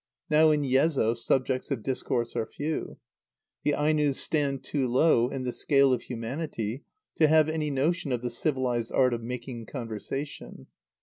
Now in Yezo, subjects of discourse are few. The Ainos stand too low in the scale of humanity to have any notion of the civilised art of "making conversation."